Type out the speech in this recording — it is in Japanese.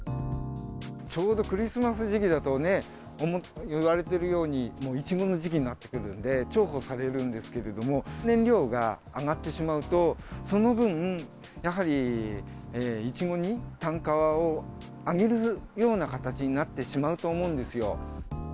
ちょうどクリスマス時期だとね、いわれているように、もういちごの時期になってくるんで、重宝されるんですけれども、燃料が上がってしまうと、その分、やはりいちごに単価を上げるような形になってしまうと思うんです